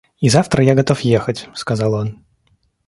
И завтра я готов ехать, — сказал он.